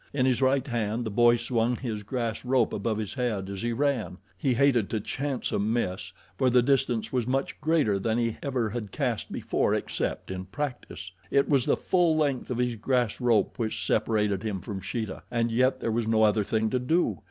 In his right hand the boy swung his grass rope above his head as he ran. He hated to chance a miss, for the distance was much greater than he ever had cast before except in practice. It was the full length of his grass rope which separated him from Sheeta, and yet there was no other thing to do.